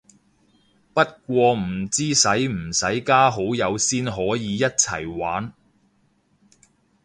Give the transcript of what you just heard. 不過唔知使唔使加好友先可以一齊玩